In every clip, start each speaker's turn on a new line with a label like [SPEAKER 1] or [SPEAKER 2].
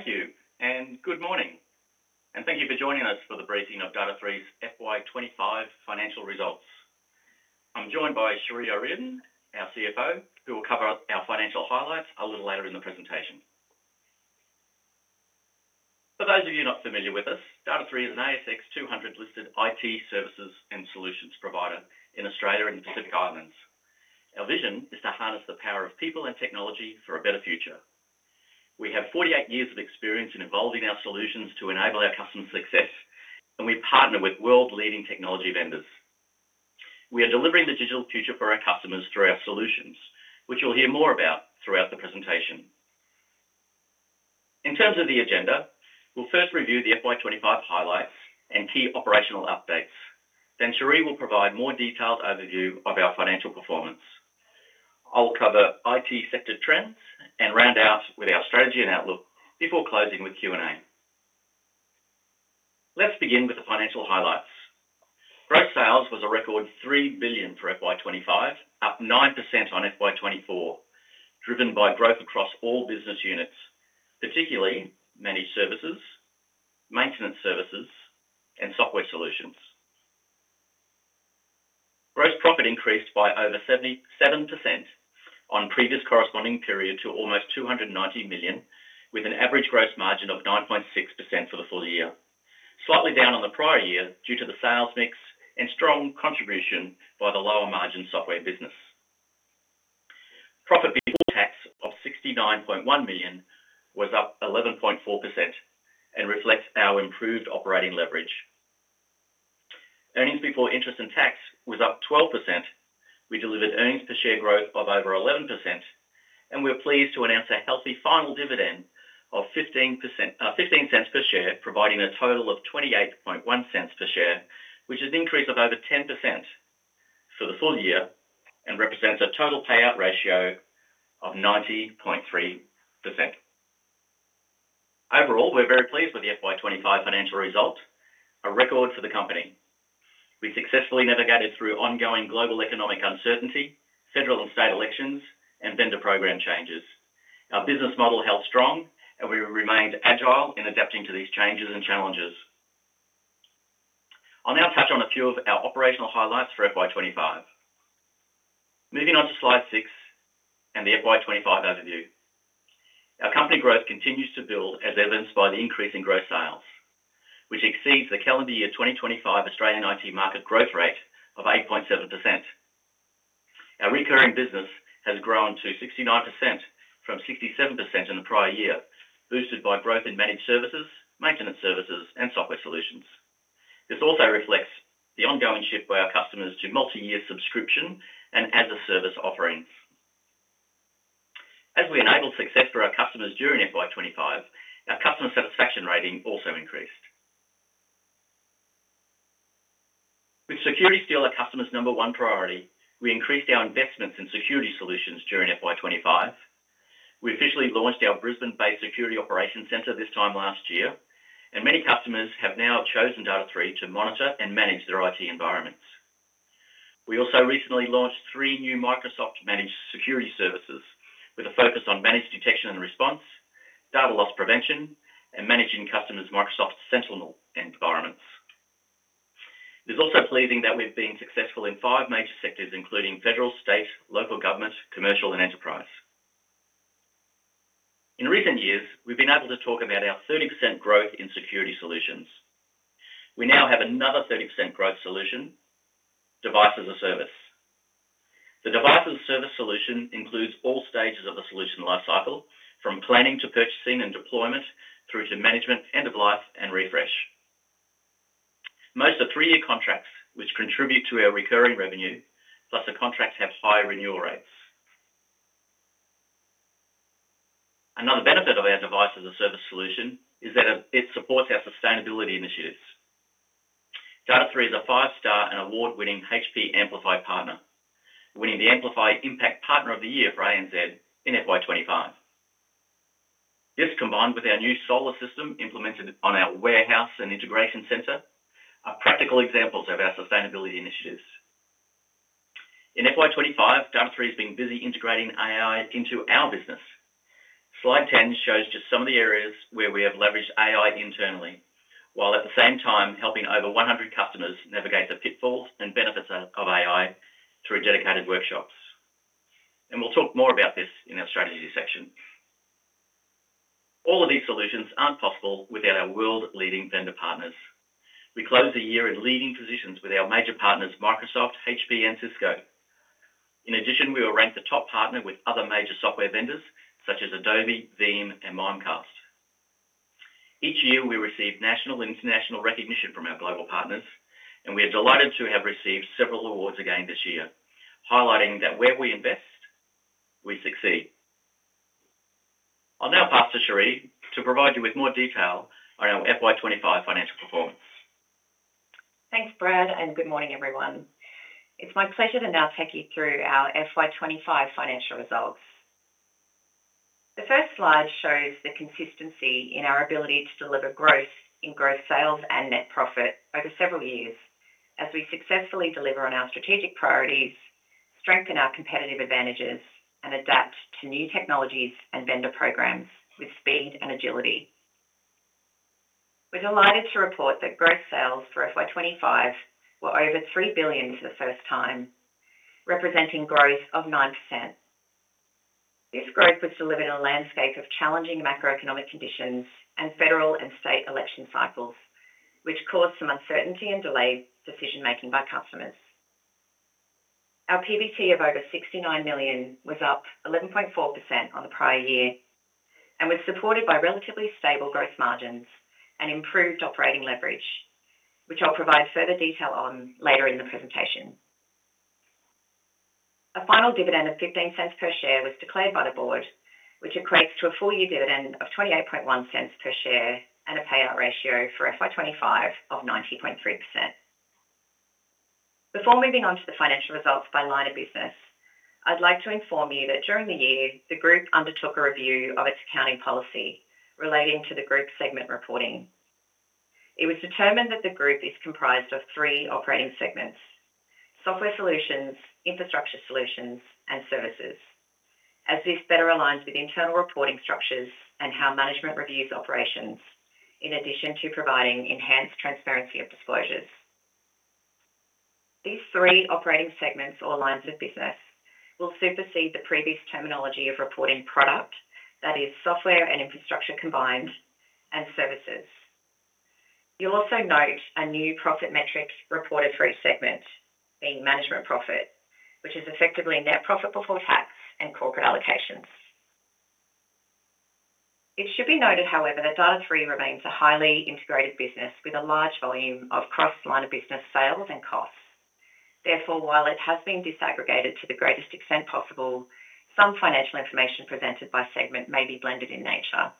[SPEAKER 1] Thank you and good morning, and thank you for joining us for the briefing of Data#3's FY 2025 financial results. I'm joined by Cherie O'Riordan, our CFO, who will cover our financial highlights a little later in the presentation. For those of you not familiar with us, Data#3 is an ASX 200 listed IT services and solutions provider in Australia and the Pacific Islands. Our vision is to harness the power of people and technology for a better future. We have 48 years of experience in evolving our solutions to enable our customers' success, and we partner with world-leading technology vendors. We are delivering the digital future for our customers through our solutions, which you'll hear more about throughout the presentation. In terms of the agenda, we'll first review the FY 2025 highlights and key operational updates. Cherie will provide a more detailed overview of our financial performance. I'll cover IT sector trends and round out with our strategy and outlook before closing with Q&A. Let's begin with the financial highlights. Gross sales was a record $3 billion for FY 2025, up 9% on FY 2024, driven by growth across all business units, particularly managed services, maintenance services, and software solutions. Gross profit increased by over 77% on the previous corresponding period to almost $290 million, with an average gross margin of 9.6% for the full year, slightly down on the prior year due to the sales mix and strong contribution by the lower margin software business. Profit before tax of $69.1 million was up 11.4% and reflects our improved operating leverage. Earnings before interest and tax was up 12%. We delivered earnings per share growth of over 11%, and we're pleased to announce a healthy final dividend of $0.15 per share, providing a total of $0.281 per share, which is an increase of over 10% for the full year and represents a total payout ratio of 90.3%. Overall, we're very pleased with the FY 2025 financial result, a record for the company. We successfully navigated through ongoing global economic uncertainty, federal and state elections, and vendor program changes. Our business model held strong, and we remained agile in adapting to these changes and challenges. I'll now touch on a few of our operational highlights for FY 2025. Moving on to slide six and the FY 2025 overview. Our company growth continues to build, as evidenced by the increase in gross sales, which exceeds the calendar year 2025 Australian IT market growth rate of 8.7%. Our recurring business has grown to 69% from 67% in the prior year, boosted by growth in managed services, maintenance services, and software solutions. This also reflects the ongoing shift for our customers to multi-year subscription and as-a-service offerings. As we enabled success for our customers during FY 2025, our customer satisfaction rating also increased. With security still our customers' number one priority, we increased our investments in security solutions during FY 2025. We officially launched our Brisbane-based security operations centre this time last year, and many customers have now chosen Data#3 to monitor and manage their IT environments. We also recently launched three new Microsoft-managed security services with a focus on managed detection and response, data loss prevention, and managing customers' Microsoft Sentinel environments. It is also pleasing that we've been successful in five major sectors, including federal, state, local government, commercial, and enterprise. In recent years, we've been able to talk about our 30% growth in security solutions. We now have another 30% growth solution, device as a service. The device as a service solution includes all stages of a solution lifecycle, from planning to purchasing and deployment through to management, end of life, and refresh. Most are three-year contracts, which contribute to our recurring revenue, plus the contracts have high renewal rates. Another benefit of our device as a service solution is that it supports our sustainability initiatives. Data#3 is a five-star and award-winning HP Amplify partner, winning the HP Amplify Impact Partner of the Year for ANZ in FY 2025. This, combined with our new solar system implemented on our warehouse and integration centre, are practical examples of our sustainability initiatives. In FY 2025, Data#3 has been busy integrating AI into our business. Slide 10 shows just some of the areas where we have leveraged AI internally, while at the same time helping over 100 customers navigate the pitfalls and benefits of AI through dedicated workshops. We will talk more about this in our strategy section. All of these solutions aren't possible without our world-leading vendor partners. We close the year in leading positions with our major partners Microsoft, HP, and Cisco. In addition, we will rank the top partner with other major software vendors such as Adobe, Veeam, and Mimecast. Each year, we receive national and international recognition from our global partners, and we are delighted to have received several awards again this year, highlighting that where we invest, we succeed. I'll now pass to Cherie O'Riordan to provide you with more detail on our FY 2025 financial performance.
[SPEAKER 2] Thanks, Brad, and good morning, everyone. It's my pleasure to now take you through our FY 2025 financial results. The first slide shows the consistency in our ability to deliver growth in gross sales and net profit over several years, as we successfully deliver on our strategic priorities, strengthen our competitive advantages, and adapt to new technologies and vendor programs with speed and agility. We're delighted to report that gross sales for FY 2025 were over $3 billion for the first time, representing growth of 9%. This growth was delivered in a landscape of challenging macroeconomic conditions and federal and state election cycles, which caused some uncertainty and delayed decision-making by customers. Our PVC of over $69 million was up 11.4% on the prior year and was supported by relatively stable gross margins and improved operating leverage, which I'll provide further detail on later in the presentation. A final dividend of $0.15 per share was declared by the board, which equates to a full-year dividend of $0.281 per share and a payout ratio for FY 2025 of 90.3%. Before moving on to the financial results by line of business, I'd like to inform you that during the year, the group undertook a review of its accounting policy relating to the group segment reporting. It was determined that the group is comprised of three operating segments: software solutions, infrastructure solutions, and services, as this better aligns with internal reporting structures and how management reviews operations, in addition to providing enhanced transparency of disclosures. These three operating segments or lines of business will supersede the previous terminology of reporting product, that is, software and infrastructure combined, and services. You'll also note a new profit metric reported for each segment, being management profit, which is effectively net profit before tax and corporate allocations. It should be noted, however, that Data#3 remains a highly integrated business with a large volume of cross-line of business sales and costs. Therefore, while it has been disaggregated to the greatest extent possible, some financial information presented by segment may be blended in nature.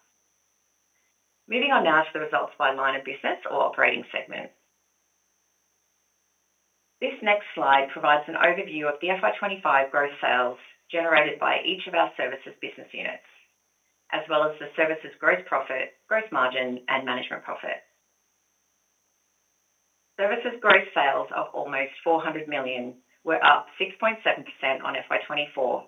[SPEAKER 2] Moving on now to the results by line of business or operating segment. This next slide provides an overview of the FY 2025 gross sales generated by each of our services business units, as well as the services gross profit, gross margin, and management profit. Services gross sales of almost $400 million were up 6.7% on FY 2024,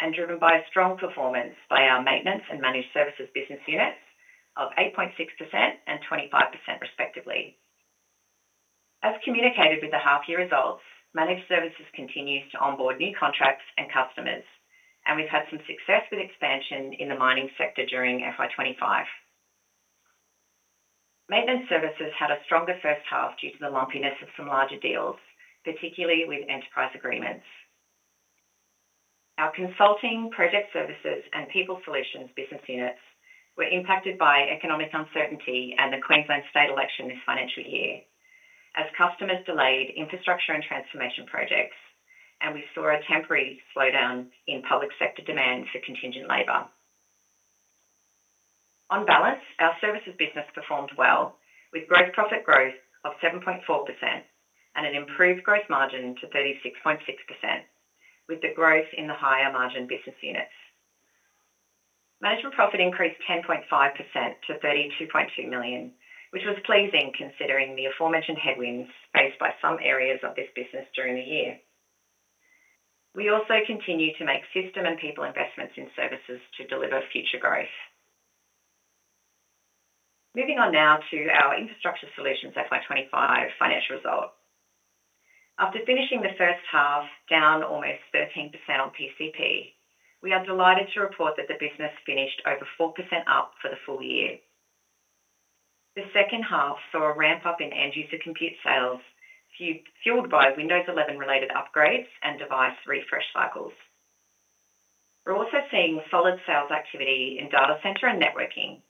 [SPEAKER 2] and driven by a strong performance by our maintenance and managed services business units of 8.6% and 25% respectively. As communicated with the half-year results, managed services continues to onboard new contracts and customers, and we've had some success with expansion in the mining sector during FY 2025. Maintenance services had a stronger first half due to the lumpiness of some larger deals, particularly with enterprise agreements. Our consulting, project services, and people solutions business units were impacted by economic uncertainty and the Queensland state election this financial year, as customers delayed infrastructure and transformation projects, and we saw a temporary slowdown in public sector demand for contingent labor. On balance, our services business performed well, with gross profit growth of 7.4% and an improved gross margin to 36.6%, with the growth in the higher margin business units. Management profit increased 10.5% to $32.2 million, which was pleasing considering the aforementioned headwinds faced by some areas of this business during the year. We also continue to make system and people investments in services to deliver future growth. Moving on now to our infrastructure solutions FY 2025 financial result. After finishing the first half down almost 13% on PCP, we are delighted to report that the business finished over 4% up for the full year. The second half saw a ramp-up in end-user compute sales, fueled by Windows 11 related upgrades and device refresh cycles. We're also seeing solid sales activity in data center and networking.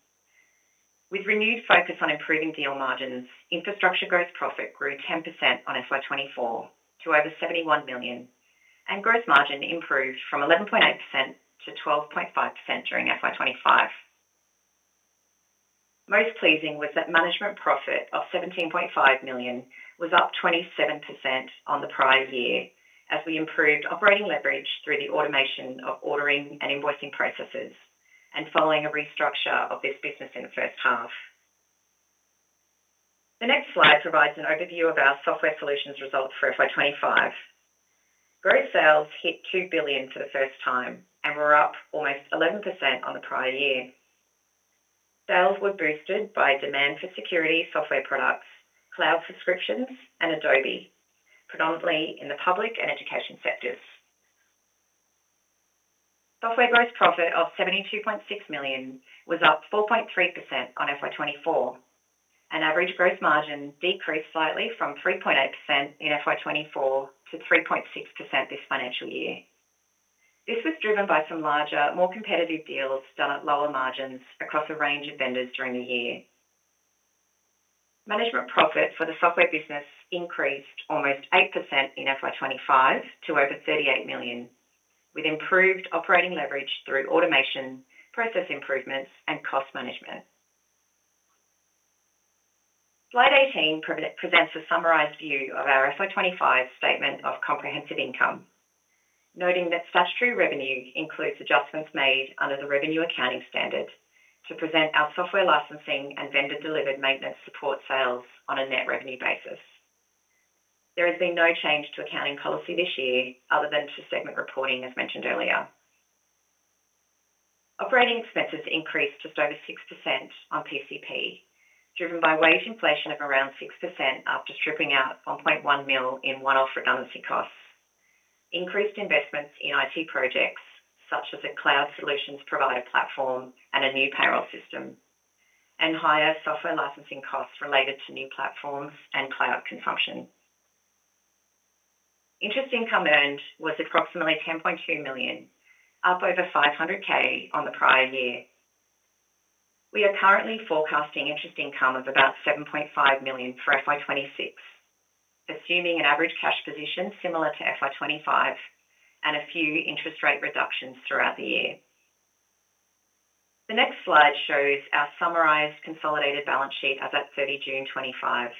[SPEAKER 2] With renewed focus on improving deal margins, infrastructure gross profit grew 10% on FY 2024 to over $71 million, and gross margin improved from 11.8% to 12.5% during FY 2025. Most pleasing was that management profit of $17.5 million was up 27% on the prior year, as we improved operating leverage through the automation of ordering and invoicing processes and following a restructure of this business in the first half. The next slide provides an overview of our software solutions results for FY 2025. Gross sales hit $2 billion for the first time, and we're up almost 11% on the prior year. Sales were boosted by demand for security software products, cloud subscriptions, and Adobe products, predominantly in the public and education sectors. Software gross profit of $72.6 million was up 4.3% on FY 2024, and average gross margin decreased slightly from 3.8% in FY 2024 to 3.6% this financial year. This was driven by some larger, more competitive deals done at lower margins across a range of vendors during the year. Management profit for the software business increased almost 8% in FY 2025 to over $38 million, with improved operating leverage through automation, process improvements, and cost management. Slide 18 presents a summarized view of our FY 2025 statement of comprehensive income, noting that statutory revenue includes adjustments made under the revenue accounting standard to present our software licensing and vendor-delivered maintenance support sales on a net revenue basis. There has been no change to accounting policy this year other than to segment reporting, as mentioned earlier. Operating expenses increased just over 6% on PCP, driven by wage inflation of around 6% after stripping out $1.1 million in one-off redundancy costs, increased investments in IT projects such as a cloud solutions provider platform and a new payroll system, and higher software licensing costs related to new platforms and cloud consumption. Interest income earned was approximately $10.2 million, up over $500,000 on the prior year. We are currently forecasting interest income of about $7.5 million for FY 2026, assuming an average cash position similar to FY 2025 and a few interest rate reductions throughout the year. The next slide shows our summarized consolidated balance sheet as at 30 June 2025.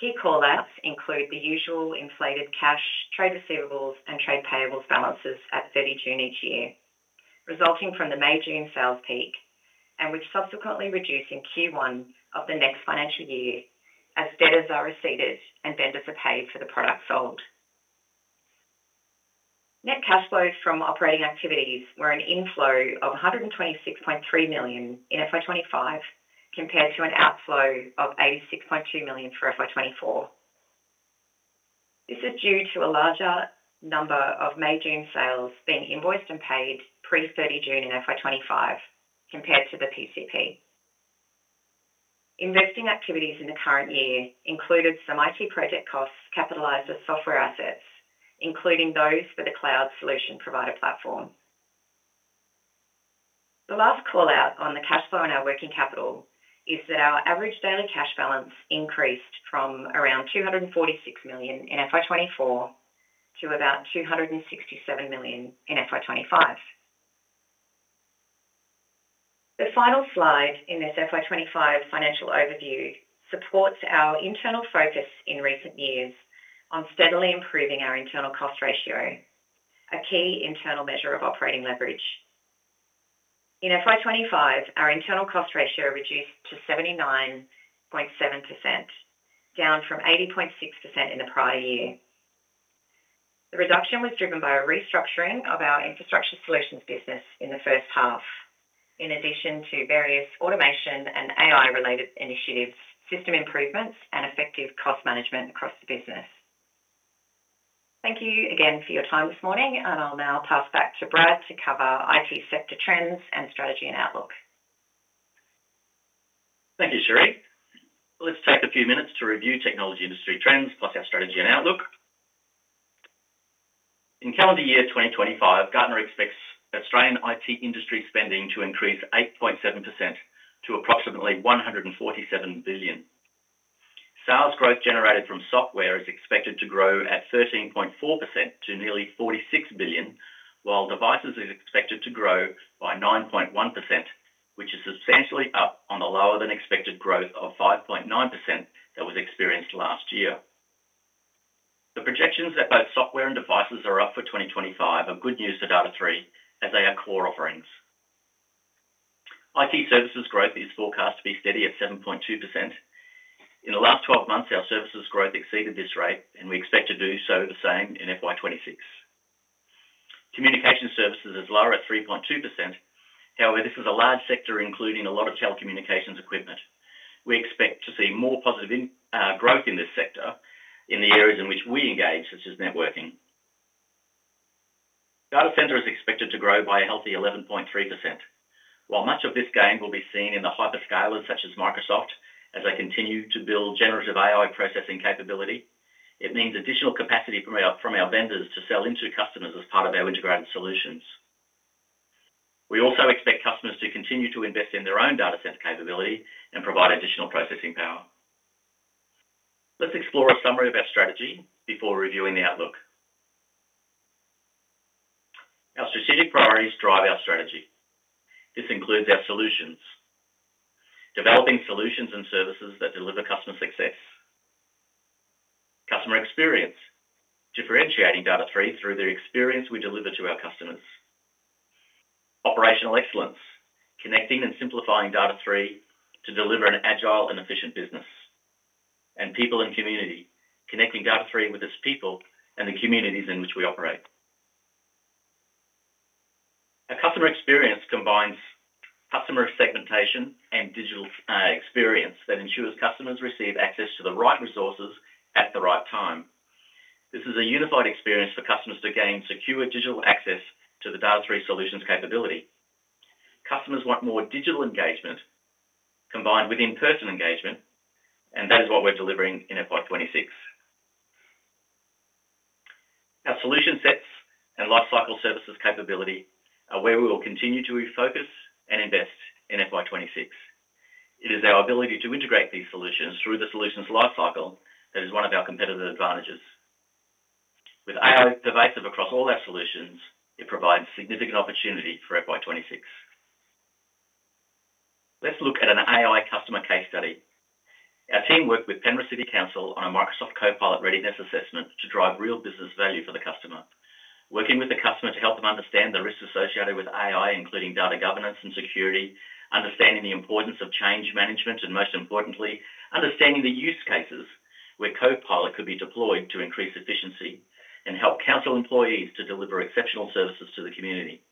[SPEAKER 2] Key callouts include the usual inflated cash, trade receivables, and trade payables balances at 30 June each year, resulting from the May-June sales peak and which subsequently reduced in Q1 of the next financial year as debtors are receded and vendors are paid for the products sold. Net cash flows from operating activities were an inflow of $126.3 million in FY 2025 compared to an outflow of $86.2 million for FY 2024. This is due to a larger number of May-June sales being invoiced and paid pre-30 June in FY 2025 compared to the PCP. Investing activities in the current year included some IT project costs capitalized as software assets, including those for the cloud solution provider platform. The last callout on the cash flow on our working capital is that our average daily cash balance increased from around $246 million in FY 2024 to about $267 million in FY 2025. The final slide in this FY 2025 financial overview supports our internal focus in recent years on steadily improving our internal cost ratio, a key internal measure of operating leverage. In FY 2025, our internal cost ratio reduced to 79.7%, down from 80.6% in the prior year. The reduction was driven by a restructuring of our infrastructure solutions business in the first half, in addition to various automation and AI-related initiatives, system improvements, and effective cost management across the business. Thank you again for your time this morning, and I'll now pass back to Brad to cover IT sector trends and strategy and outlook.
[SPEAKER 1] Thank you, Cherie. Let's take a few minutes to review technology industry trends plus our strategy and outlook. In calendar year 2025, Gartner expects Australian IT industry spending to increase 8.7% to approximately $147 billion. Sales growth generated from software is expected to grow at 13.4% to nearly $46 billion, while devices are expected to grow by 9.1%, which is substantially up on the lower-than-expected growth of 5.9% that was experienced last year. The projections that both software and devices are up for 2025 are good news for Data#3 as they are core offerings. IT services growth is forecast to be steady at 7.2%. In the last 12 months, our services growth exceeded this rate, and we expect to do so the same in FY 2026. Communication services is lower at 3.2%. However, this is a large sector, including a lot of telecommunications equipment. We expect to see more positive growth in this sector in the areas in which we engage, such as networking. Data centre is expected to grow by a healthy 11.3%. While much of this gain will be seen in the hyperscalers such as Microsoft, as they continue to build generative AI processing capability, it means additional capacity from our vendors to sell into customers as part of our integrated solutions. We also expect customers to continue to invest in their own data centre capability and provide additional processing power. Let's explore a summary of our strategy before reviewing the outlook. Our strategic priorities drive our strategy. This includes our solutions, developing solutions and services that deliver customer success. Customer experience, differentiating Data#3 through the experience we deliver to our customers. Operational excellence, connecting and simplifying Data#3 to deliver an agile and efficient business. People and community, connecting Data#3 with its people and the communities in which we operate. Our customer experience combines customer segmentation and digital experience that ensures customers receive access to the right resources at the right time. This is a unified experience for customers to gain secure digital access to the Data#3 solutions capability. Customers want more digital engagement combined with in-person engagement, and that is what we're delivering in FY 2026. Our solution sets and lifecycle services capability are where we will continue to focus and invest in FY 2026. It is our ability to integrate these solutions through the solutions lifecycle that is one of our competitive advantages. With AI pervasive across all our solutions, it provides significant opportunity for FY 2026. Let's look at an AI customer case study. Our team worked with Penrith City Council on a Microsoft Copilot readiness assessment to drive real business value for the customer, working with the customer to help them understand the risks associated with AI, including data governance and security, understanding the importance of change management, and most importantly, understanding the use cases where Copilot could be deployed to increase efficiency and help council employees to deliver exceptional services to the community.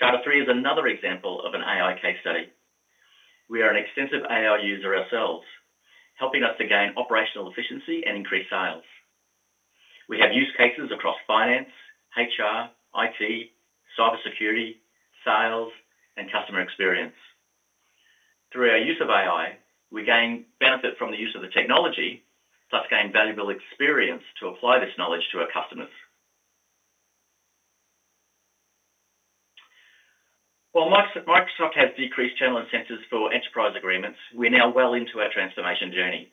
[SPEAKER 1] Data#3 is another example of an AI case study. We are an extensive AI user ourselves, helping us to gain operational efficiency and increase sales. We have use cases across finance, HR, IT, cybersecurity, sales, and customer experience. Through our use of AI, we gain benefit from the use of the technology, plus gain valuable experience to apply this knowledge to our customers. While Microsoft has decreased channel incentives for enterprise agreements, we're now well into our transformation journey.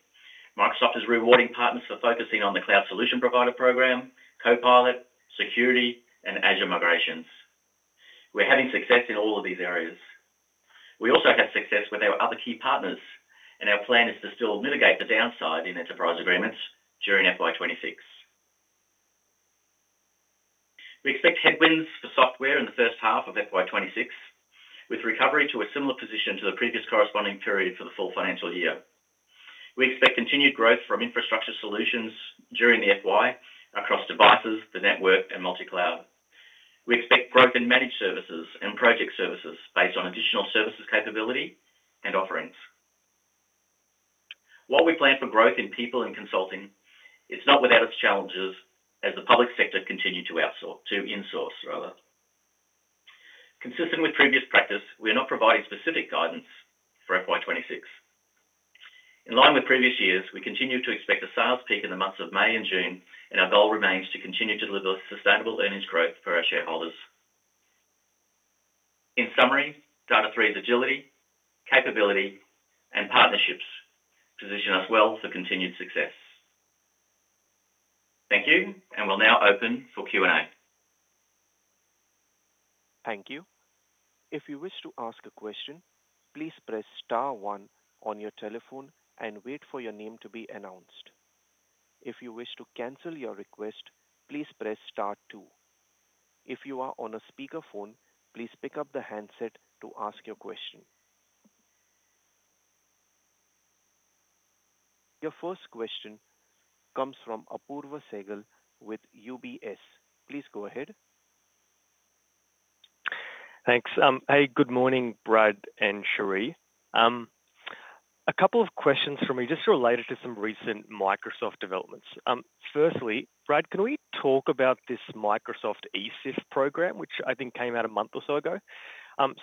[SPEAKER 1] Microsoft is rewarding partners for focusing on the cloud solution provider program, Copilot, security, and Azure migrations. We're having success in all of these areas. We also had success with our other key partners, and our plan is to still mitigate the downside in enterprise agreements during FY 2026. We expect headwinds for software in the first half of FY 2026, with recovery to a similar position to the previous corresponding period for the full financial year. We expect continued growth from infrastructure solutions during the FY across devices, the network, and multi-cloud. We expect growth in managed services and project services based on additional services capability and offerings. While we plan for growth in people and consulting, it's not without its challenges as the public sector continues to outsource, to insource, rather. Consistent with previous practice, we are not providing specific guidance for FY 2026. In line with previous years, we continue to expect a sales peak in the months of May and June, and our goal remains to continue to deliver sustainable earnings growth for our shareholders. In summary, Data#3's agility, capability, and partnerships position us well for continued success. Thank you, and we'll now open for Q&A.
[SPEAKER 3] Thank you. If you wish to ask a question, please press *1 on your telephone and wait for your name to be announced. If you wish to cancel your request, please press *2. If you are on a speakerphone, please pick up the handset to ask your question. Your first question comes from Apoorv Seghal with UBS. Please go ahead.
[SPEAKER 4] Thanks. Hey, good morning, Brad and Cherie. A couple of questions from me just related to some recent Microsoft developments. Firstly, Brad, can we talk about this Microsoft ECIF program, which I think came out a month or so ago?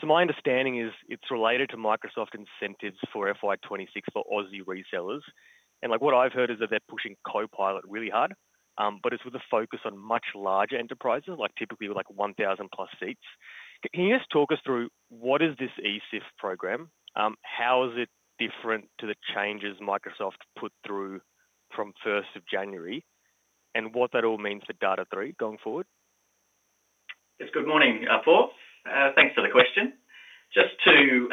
[SPEAKER 4] My understanding is it's related to Microsoft incentives for FY 2026 for Aussie resellers. What I've heard is that they're pushing Copilot really hard, but it's with a focus on much larger enterprises, like typically with 1,000 plus seats. Can you just talk us through what is this ECIF program? How is it different to the changes Microsoft put through from January 1st? What does that all mean for Data#3 going forward?
[SPEAKER 1] Good morning, Apoorv. Thanks for the question. Just to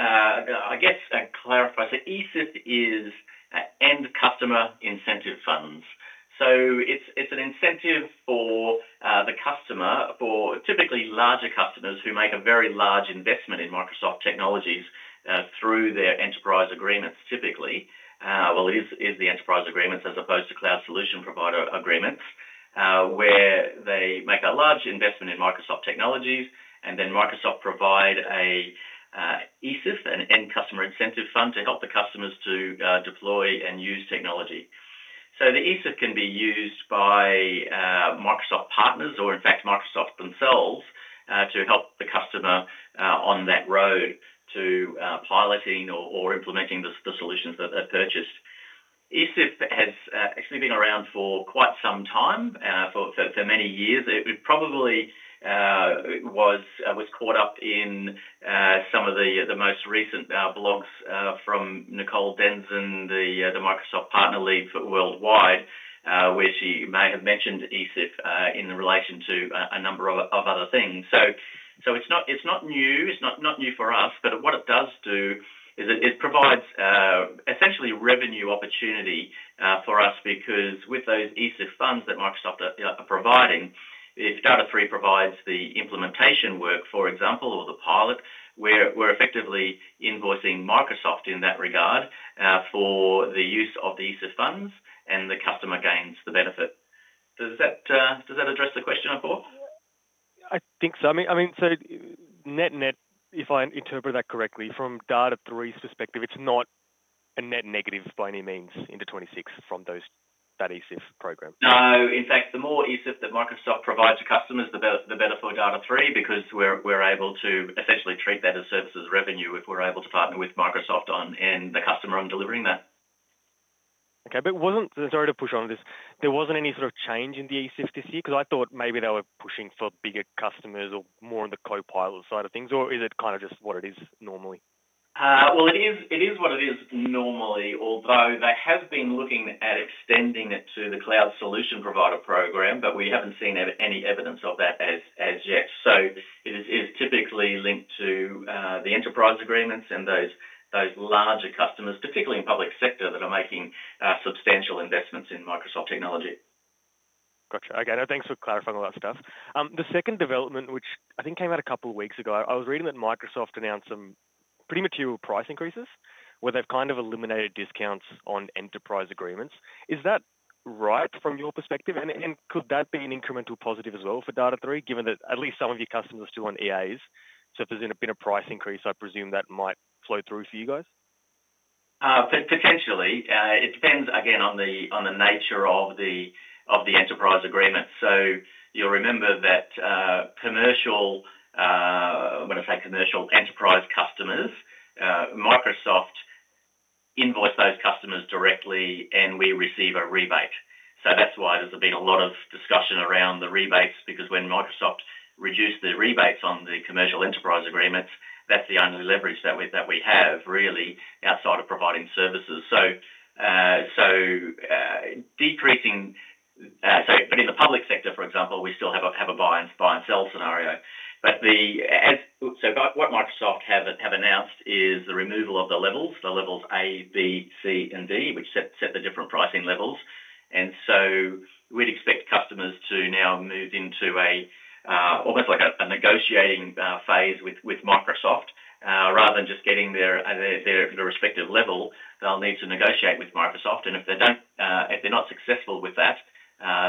[SPEAKER 1] clarify, ECIF is an end customer incentive fund. It's an incentive for the customer, typically larger customers who make a very large investment in Microsoft technologies through their enterprise agreements, typically. It is the enterprise agreements as opposed to cloud solution provider agreements, where they make a large investment in Microsoft technologies and then Microsoft provides an ECIF, an end customer incentive fund, to help the customers to deploy and use technology. The ECIF can be used by Microsoft partners or, in fact, Microsoft themselves to help the customer on that road to piloting or implementing the solutions that they've purchased. ECIF has actually been around for quite some time, for many years. It probably was caught up in some of the most recent blogs from Nicole Denson, the Microsoft Partner Lead for Worldwide, where she may have mentioned ECIF in relation to a number of other things. It's not new, it's not new for us, but what it does do is it provides essentially revenue opportunity for us because with those ECIF funds that Microsoft are providing, if Data#3 provides the implementation work, for example, or the pilot, we're effectively invoicing Microsoft in that regard for the use of the ECIF funds, and the customer gains the benefit. Does that address the question, Apoorv?
[SPEAKER 4] I think so. I mean, net net, if I interpret that correctly, from Data#3's perspective, it's not a net negative by any means into 2026 from that ECIF program.
[SPEAKER 1] No. In fact, the more ECIF that Microsoft provides to customers, the better for Data#3 because we're able to essentially treat that as services revenue if we're able to partner with Microsoft and the customer on delivering that.
[SPEAKER 4] OK, wasn't there any sort of change in the ECIF this year? I thought maybe they were pushing for bigger customers or more on the Copilot side of things, or is it kind of just what it is normally?
[SPEAKER 1] It is what it is normally, although they have been looking at extending it to the cloud solution provider program, but we haven't seen any evidence of that as yet. It is typically linked to the enterprise agreements and those larger customers, particularly in public sector, that are making substantial investments in Microsoft technology.
[SPEAKER 4] Gotcha. OK, thanks for clarifying all that stuff. The second development, which I think came out a couple of weeks ago, I was reading that Microsoft announced some pretty mature price increases where they've kind of eliminated discounts on enterprise agreements. Is that right from your perspective? Could that be an incremental positive as well for Data#3, given that at least some of your customers are still on EAs? If there's been a price increase, I presume that might flow through for you guys?
[SPEAKER 1] Potentially. It depends, again, on the nature of the enterprise agreement. You'll remember that commercial enterprise customers, Microsoft invoice those customers directly, and we receive a rebate. That's why there's been a lot of discussion around the rebates, because when Microsoft reduced the rebates on the commercial enterprise agreements, that's the only leverage that we have, really, outside of providing services. In the public sector, for example, we still have a buy and sell scenario. What Microsoft has announced is the removal of the levels, the levels A, B, C, and D, which set the different pricing levels. We'd expect customers to now move into a negotiating phase with Microsoft. Rather than just getting their respective level, they'll need to negotiate with Microsoft. If they're not successful with that,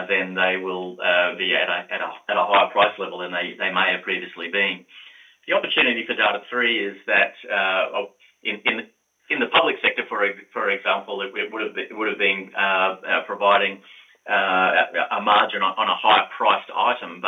[SPEAKER 1] then they will be at a higher price level than they may have previously been. The opportunity for Data#3 is that in the public sector, for example, it would have been providing a margin on a higher priced item.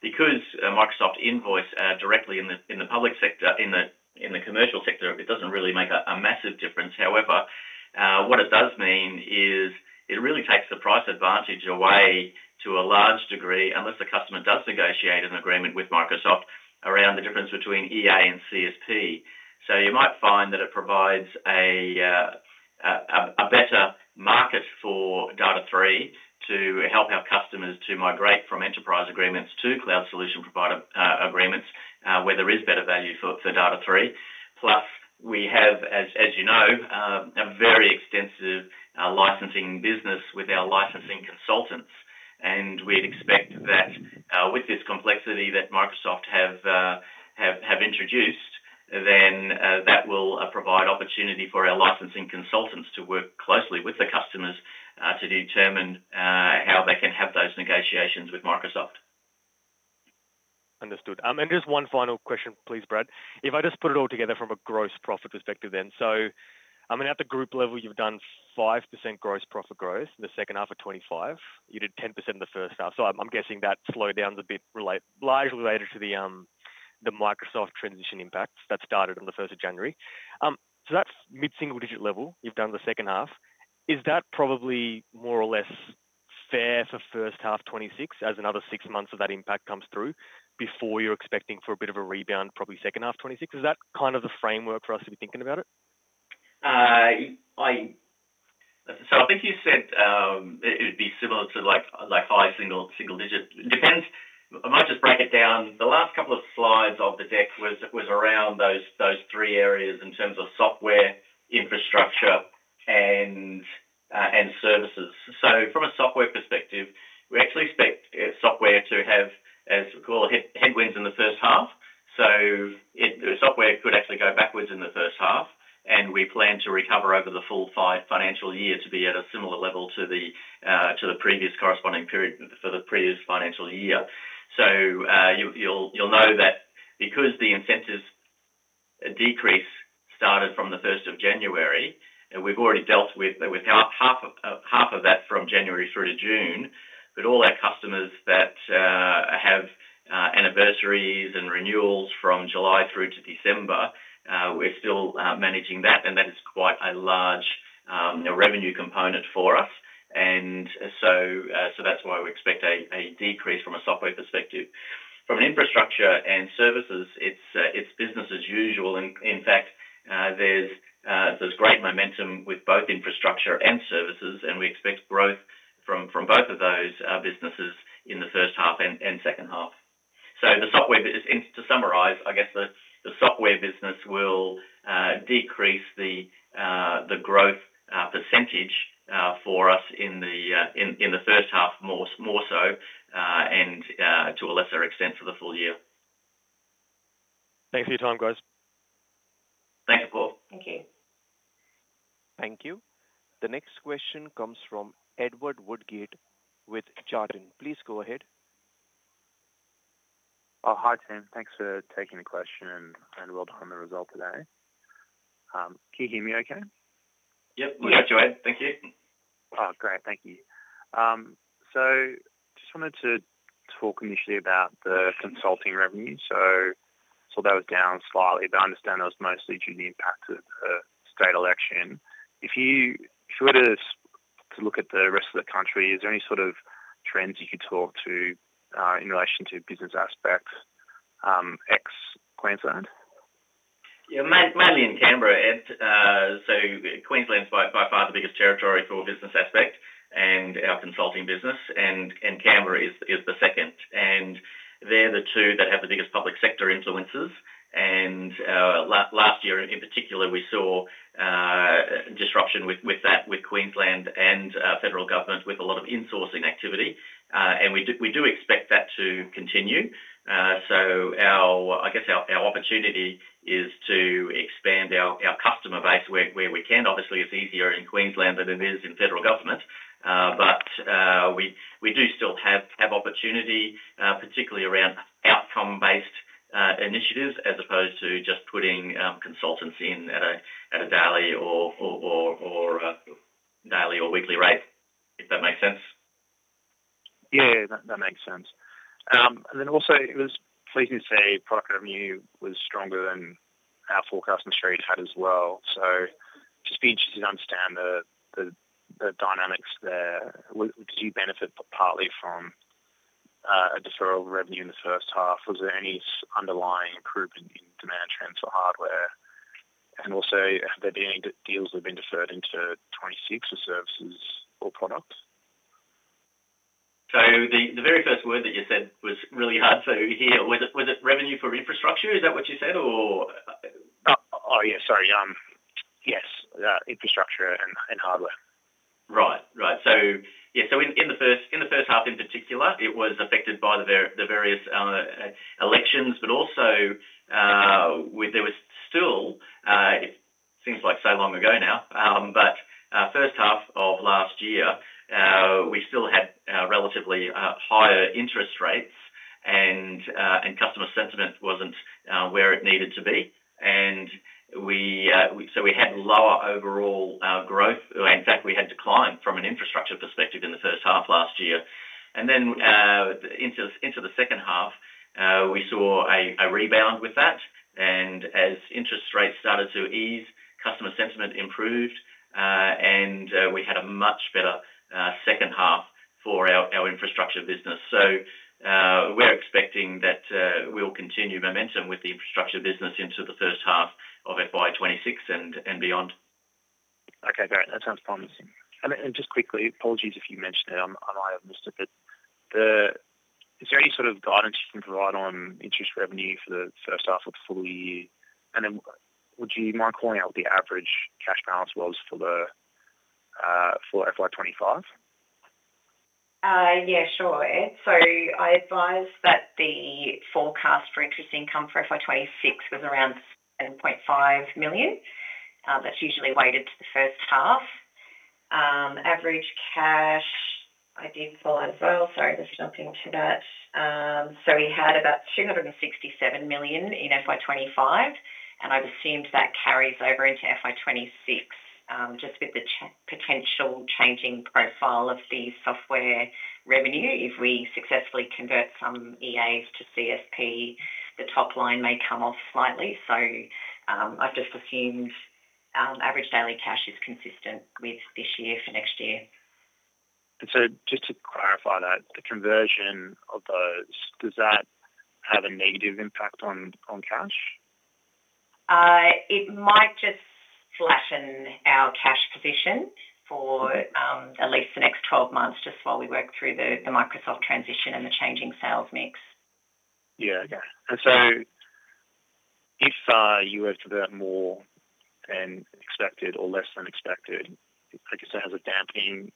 [SPEAKER 1] Because Microsoft invoice directly in the public sector, in the commercial sector, it doesn't really make a massive difference. However, it really takes the price advantage away to a large degree, unless the customer does negotiate an agreement with Microsoft around the difference between EA and CSP. You might find that it provides a better market for Data#3 to help our customers to migrate from enterprise agreements to cloud solution provider agreements, where there is better value for Data#3. Plus, we have, as you know, a very extensive licensing business with our licensing consultants. We'd expect that with this complexity that Microsoft have introduced, that will provide opportunity for our licensing consultants to work closely with the customers to determine how they can have those negotiations with Microsoft.
[SPEAKER 4] Understood. Just one final question, please, Brad. If I just put it all together from a gross profit perspective, then. At the group level, you've done 5% gross profit growth in the second half of 2025. You did 10% in the first half. I'm guessing that slowdown is a bit largely related to the Microsoft transition impacts that started on January 1. That's mid-single-digit level. You've done the second half. Is that probably more or less fair for first half 2026, as another six months of that impact comes through before you're expecting for a bit of a rebound, probably second half 2026? Is that kind of the framework for us to be thinking about it?
[SPEAKER 1] I think you said it would be similar to like high single-digit. It depends. I might just break it down. The last couple of slides of the deck was around those three areas in terms of software, infrastructure, and services. From a software perspective, we actually expect software to have some headwinds in the first half. Software could actually go backwards in the first half. We plan to recover over the full financial year to be at a similar level to the previous corresponding period for the previous financial year. You'll know that because the incentives decrease started from January 1, and we've already dealt with half of that from January through to June. All our customers that have anniversaries and renewals from July through to December, we're still managing that. That is quite a large revenue component for us, and that's why we expect a decrease from a software perspective. From an infrastructure and services perspective, it's business as usual. In fact, there's great momentum with both infrastructure and services. We expect growth from both of those businesses in the first half and second half. To summarize, I guess the software business will decrease the growth % for us in the first half more so and to a lesser extent for the full year.
[SPEAKER 4] Thanks for your time, guys.
[SPEAKER 1] Thank you, Apoorv.
[SPEAKER 2] Thank you.
[SPEAKER 3] Thank you. The next question comes from Edward Woodgate with Jarden. Please go ahead.
[SPEAKER 5] Oh, hi, Tim. Thanks for taking the question and well done on the result today. Can you hear me OK?
[SPEAKER 1] Yep, we can hear you, Cherie. Thank you.
[SPEAKER 5] Great. Thank you. I just wanted to talk initially about the consulting revenue. I saw that was down slightly, but I understand that was mostly due to the impact of the state election. If you were to look at the rest of the country, is there any sort of trends that you could talk to in relation to business aspects ex-Queensland?
[SPEAKER 1] Yeah, mainly in Canberra. Queensland's by far the biggest territory for business aspect and our consulting business. Canberra is the second, and they're the two that have the biggest public sector influences. Last year, in particular, we saw disruption with that, with Queensland and federal government, with a lot of insourcing activity. We do expect that to continue. I guess our opportunity is to expand our customer base where we can. Obviously, it's easier in Queensland than it is in federal government. We do still have opportunity, particularly around outcome-based initiatives as opposed to just putting consultants in at a daily or weekly rate, if that makes sense.
[SPEAKER 5] Yeah, that makes sense. It was pleasing to see product revenue was stronger than our forecast and Cherie's had as well. It's been interesting to understand the dynamics there. Did you benefit partly from a deferral revenue in the first half? Was there any underlying improvement in demand trends for hardware? Have there been any deals that have been deferred into 2026 for services or product?
[SPEAKER 1] The very first word that you said was really hard to hear. Was it revenue for infrastructure? Is that what you said, or?
[SPEAKER 5] Oh, yeah, sorry. Yes, infrastructure and hardware.
[SPEAKER 1] Right, right. In the first half in particular, it was affected by the various elections, but also there was still—it seems like so long ago now—the first half of last year, we still had relatively higher interest rates, and customer sentiment wasn't where it needed to be. We had lower overall growth. In fact, we had declined from an infrastructure perspective in the first half last year. Into the second half, we saw a rebound with that. As interest rates started to ease, customer sentiment improved, and we had a much better second half for our infrastructure business. We're expecting that we'll continue momentum with the infrastructure business into the first half of FY 2026 and beyond.
[SPEAKER 5] OK, great. That sounds promising. Just quickly, apologies if you mentioned it. I might have missed it. Is there any sort of guidance you can provide on interest revenue for the first half of the full year? Would you mind calling out what the average cash balance was for FY 2025?
[SPEAKER 2] Yeah, sure. I advised that the forecast for increased income for FY 2026 was around $7.5 million. That's usually weighted to the first half. Average cash, I did follow as well, let's jump into that. We had about $267 million in FY 2025, and I've assumed that carries over into FY 2026, just with the potential changing profile of the software revenue. If we successfully convert some EAs to CSP, the top line may come off slightly. I've just assumed average daily cash is consistent with this year for next year.
[SPEAKER 5] Just to clarify that, the conversion of those, does that have a negative impact on cash?
[SPEAKER 2] It might just flatten our cash position for at least the next 12 months, just while we work through the Microsoft transition and the changing sales mix.
[SPEAKER 5] If you were to convert more than expected or less than expected, I guess it has a dampening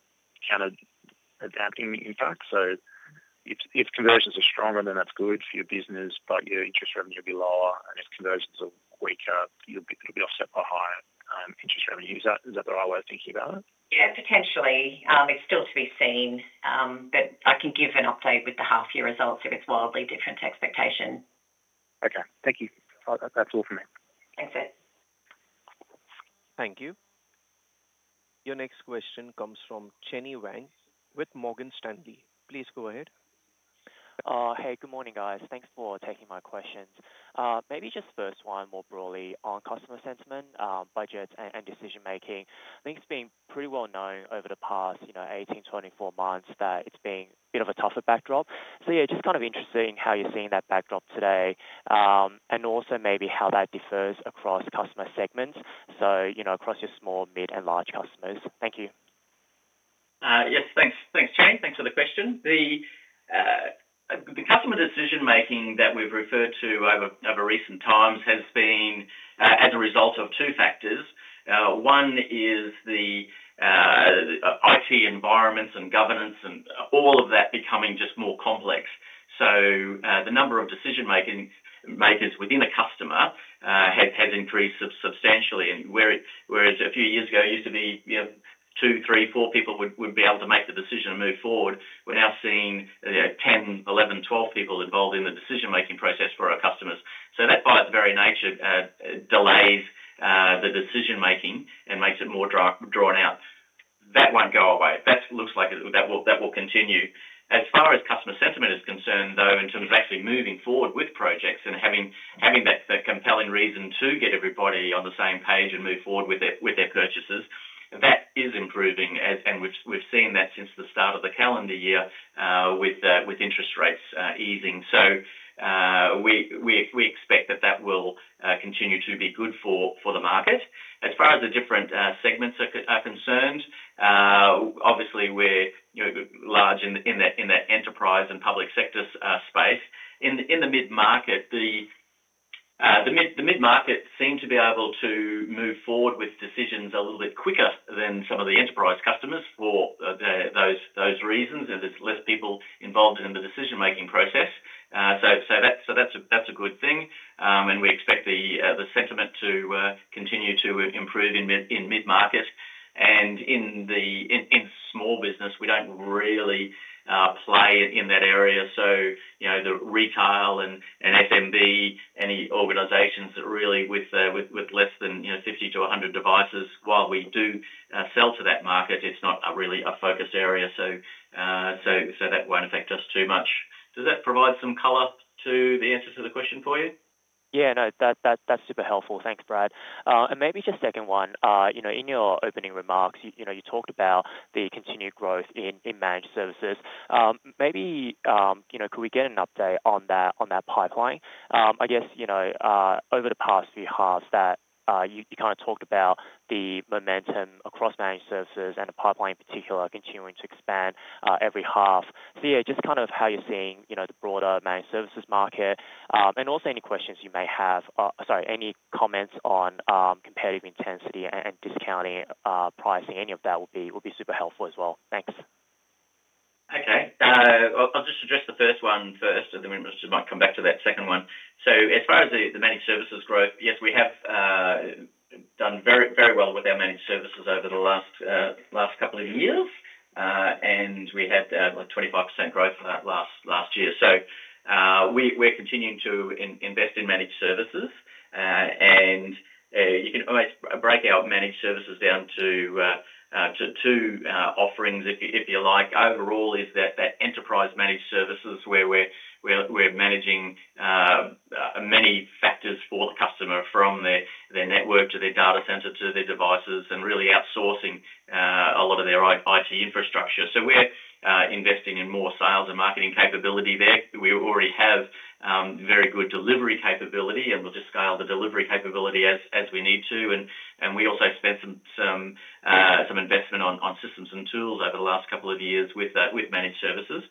[SPEAKER 5] impact. If conversions are stronger, then that's good for your business, but your interest revenue will be lower. If conversions are weaker, it'll be offset by higher interest revenue. Is that the right way of thinking about it?
[SPEAKER 2] Yeah, potentially. It's still to be seen, but I can give an update with the half-year results if it's wildly different to expectation.
[SPEAKER 5] OK. Thank you. That's all from me.
[SPEAKER 2] Thanks, Ed.
[SPEAKER 3] Thank you. Your next question comes from Chenny Wang with Morgan Stanley. Please go ahead.
[SPEAKER 6] Hey, good morning, guys. Thanks for taking my questions. Maybe just first one more broadly on customer sentiment, budgets, and decision making. I think it's been pretty well known over the past 18 to 24 months that it's been a bit of a tougher backdrop. I'm just kind of interested in how you're seeing that backdrop today and also maybe how that differs across customer segments, so across your small, mid, and large customers. Thank you.
[SPEAKER 1] Yes, thanks. Thanks, Chenny. Thanks for the question. The customer decision making that we've referred to over recent times has been as a result of two factors. One is the IT environments and governance and all of that becoming just more complex. The number of decision makers within a customer has increased substantially. Whereas a few years ago, it used to be two, three, four people would be able to make the decision and move forward, we're now seeing 10, 11, 12 people involved in the decision-making process for our customers. That by its very nature delays the decision making and makes it more drawn out. That won't go away. That looks like that will continue. As far as customer sentiment is concerned, though, in terms of actually moving forward with projects and having that compelling reason to get everybody on the same page and move forward with their purchases, that is improving. We've seen that since the start of the calendar year with interest rates easing. We expect that will continue to be good for the market. As far as the different segments are concerned, obviously, we're large in the enterprise and public sector space. In the mid-market, the mid-market seemed to be able to move forward with decisions a little bit quicker than some of the enterprise customers for those reasons. There's less people involved in the decision-making process. That's a good thing. We expect the sentiment to continue to improve in mid-market. In small business, we don't really play in that area. The retail and SMB, any organizations that really with less than 50-100 devices, while we do sell to that market, it's not really a focused area. That won't affect us too much. Does that provide some color to the answer to the question for you?
[SPEAKER 6] Yeah, no, that's super helpful. Thanks, Brad. Maybe just a second one. In your opening remarks, you talked about the continued growth in managed services. Could we get an update on that pipeline? I guess over the past few halves, you talked about the momentum across managed services and the pipeline in particular continuing to expand every half. Just how you're seeing the broader managed services market and also any comments on competitive intensity and discounting pricing, any of that would be super helpful as well. Thanks.
[SPEAKER 1] OK. I'll just address the first one first, and then we might come back to that second one. As far as the managed services growth, yes, we have done very, very well with our managed services over the last couple of years. We had like 25% growth for that last year. We're continuing to invest in managed services. You can always break out managed services down to two offerings, if you like. Overall, there is that enterprise managed services where we're managing many factors for the customer, from their network to their data center to their devices and really outsourcing a lot of their IT infrastructure. We're investing in more sales and marketing capability there. We already have very good delivery capability, and we'll just scale the delivery capability as we need to. We also spent some investment on systems and tools over the last couple of years with managed services.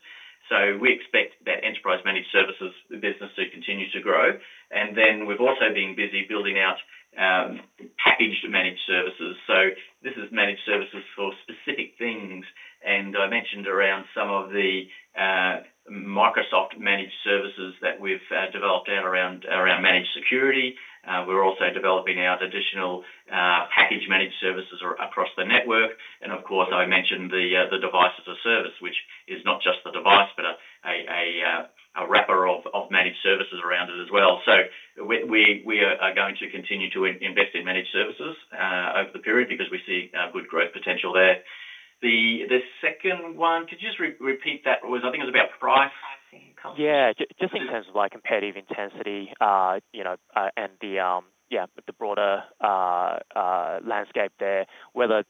[SPEAKER 1] We expect that enterprise managed services business to continue to grow. We've also been busy building out finished managed services. This is managed services for specific things. I mentioned around some of the Microsoft-managed security services that we've developed out around managed security. We're also developing out additional packaged managed services across the network. I mentioned the device as a service, which is not just the device, but a wrapper of managed services around it as well. We are going to continue to invest in managed services over the period because we see good growth potential there. The second one, could you just repeat that? I think it was about pricing?
[SPEAKER 6] In terms of competitive intensity and the broader landscape there, whether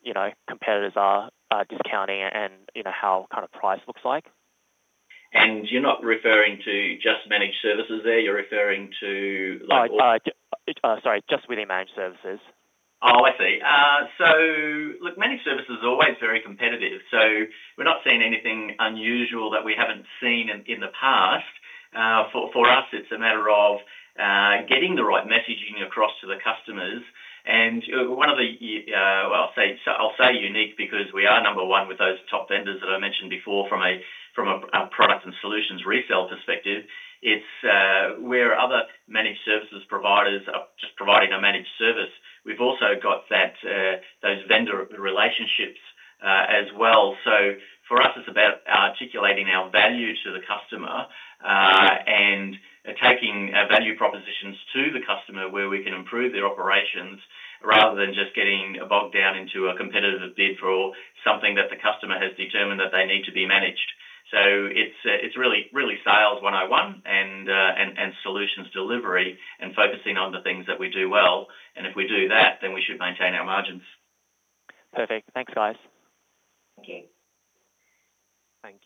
[SPEAKER 6] competitors are discounting and how kind of price looks like.
[SPEAKER 1] You're not referring to just managed services there? You're referring to?
[SPEAKER 6] Sorry, just within managed services.
[SPEAKER 1] Oh, I see. Managed services are always very competitive. We're not seeing anything unusual that we haven't seen in the past. For us, it's a matter of getting the right messaging across to the customers. I'll say unique because we are number one with those top vendors that I mentioned before from a product and solutions resale perspective. Where other managed services providers are just providing a managed service, we've also got those vendor relationships as well. For us, it's about articulating our value to the customer and taking value propositions to the customer where we can improve their operations rather than just getting bogged down into a competitive bid for something that the customer has determined that they need to be managed. It's really sales 101 and solutions delivery and focusing on the things that we do well. If we do that, then we should maintain our margins.
[SPEAKER 6] Perfect. Thanks, guys.
[SPEAKER 3] Thank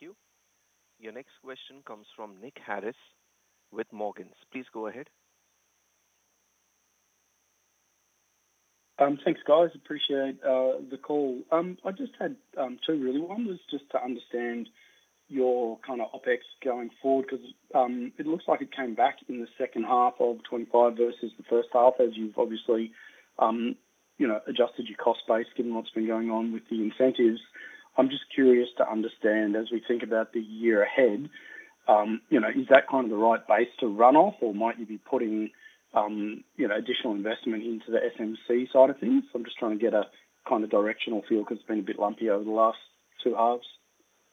[SPEAKER 3] you. Your next question comes from Nick Harris with Morgans. Please go ahead.
[SPEAKER 7] Thanks, guys. Appreciate the call. I just had two really ones just to understand your kind of OpEx going forward because it looks like it came back in the second half of 2025 versus the first half, as you've obviously adjusted your cost base, given what's been going on with the incentives. I'm just curious to understand, as we think about the year ahead, is that kind of the right base to run off, or might you be putting additional investment into the SMC side of things? I'm just trying to get a kind of directional feel because it's been a bit lumpy over the last two halves.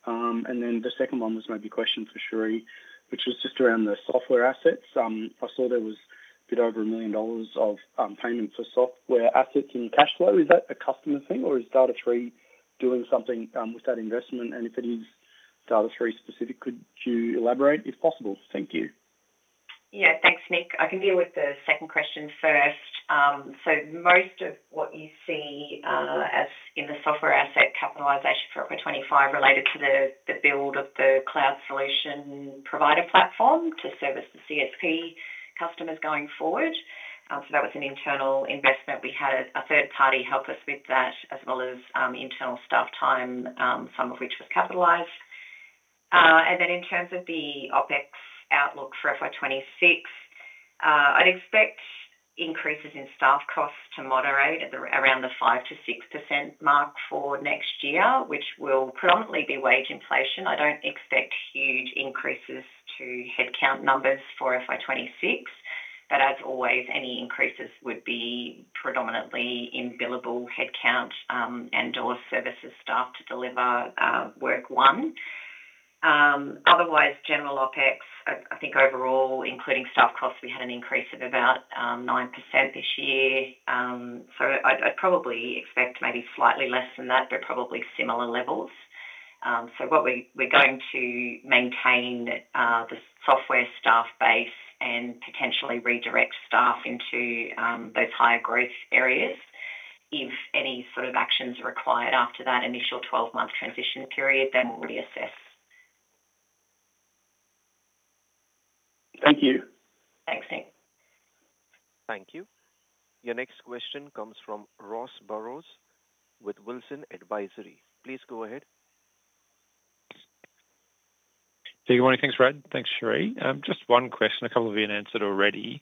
[SPEAKER 7] The second one was maybe a question for Cherie O'Riordan, which was just around the software assets. I saw there was a bit over $1 million of payment for software assets in cash flow. Is that a customer thing, or is Data#3 doing something with that investment? If it is Data#3 specific, could you elaborate if possible? Thank you.
[SPEAKER 2] Yeah, thanks, Nick. I can deal with the second question first. Most of what you see as in the software asset capitalization for FY 2025 related to the build of the cloud solution provider platform to service the CSP customers going forward. That was an internal investment. We had a third party help us with that, as well as internal staff time, some of which was capitalized. In terms of the OpEx outlook for FY 2026, I'd expect increases in staff costs to moderate around the 5%-6% mark for next year, which will predominantly be wage inflation. I don't expect huge increases to headcount numbers for FY 2026. As always, any increases would be predominantly in billable headcount and/or services staff to deliver work one. Otherwise, general OpEx, I think overall, including staff costs, we had an increase of about 9% this year. I'd probably expect maybe slightly less than that, but probably similar levels. We're going to maintain the software staff base and potentially redirect staff into those higher growth areas. If any sort of actions are required after that initial 12-month transition period, then we'll reassess.
[SPEAKER 7] Thank you.
[SPEAKER 2] Thanks, Tim.
[SPEAKER 3] Thank you. Your next question comes from Ross Barrows with Wilsons Advisory. Please go ahead.
[SPEAKER 8] Good morning. Thanks, Brad. Thanks, Cherie. Just one question. A couple of you answered already.